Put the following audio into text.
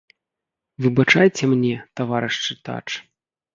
Выбачайце мне, таварыш чытач!